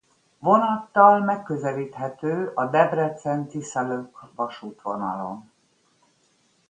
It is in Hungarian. Vonattal megközelíthető a Debrecen–Tiszalök-vasútvonalon.